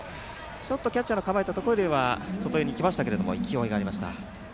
キャッチャーの構えたところよりは外寄りにきましたが勢いがありました。